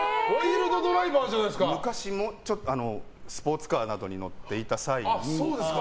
昔、スポーツカーなどに乗っていた際に。